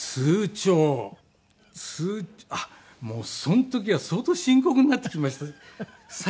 あっもうその時は相当深刻になってきました最近の事です。